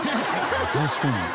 確かに。